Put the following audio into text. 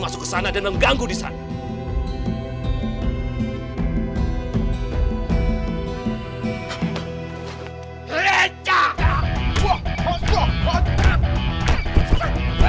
masuk ke sana dan mengganggu di sana